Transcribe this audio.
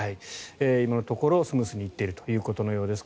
今のところスムーズに行っているということのようです。